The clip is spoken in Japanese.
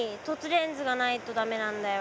レンズがないと駄目なんだよ。